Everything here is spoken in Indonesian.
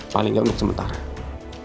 paling gak untuk sementara